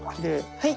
はい。